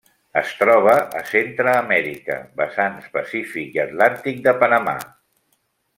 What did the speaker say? Es troba a Centreamèrica: vessants pacífic i atlàntic de Panamà.